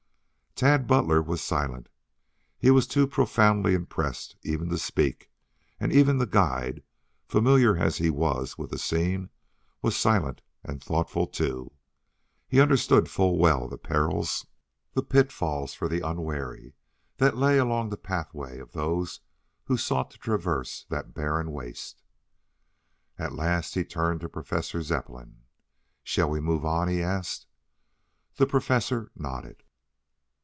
Tad Butler was silent. He was too profoundly impressed even to speak; and even the guide, familiar as he was with the scene, was silent and thoughtful, too. He understood full well the perils, the pitfalls for the unwary, that lay along the pathway of those who sought to traverse that barren waste. At last he turned to Professor Zepplin. "Shall we move?" he asked. The Professor nodded.